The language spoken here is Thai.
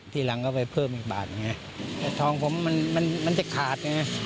ทองผมจะขาด